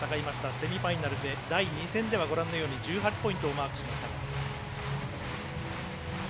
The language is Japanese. セミファイナルで第２戦では１８ポイントをマークしました。